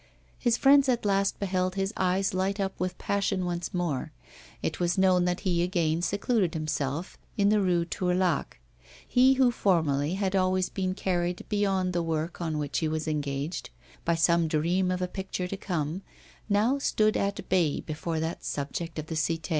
His friends at last beheld his eyes light up with passion once more. It was known that he again secluded himself in the Rue Tourlaque. He who formerly had always been carried beyond the work on which he was engaged, by some dream of a picture to come, now stood at bay before that subject of the Cité.